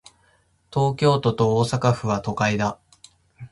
東京都と大阪府は、都会だ。